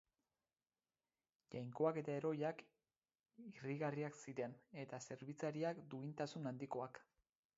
Jainkoak eta heroiak irrigarriak ziren eta zerbitzariak duintasun handikoak.